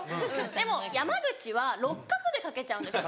でも山口は６画で書けちゃうんですよ。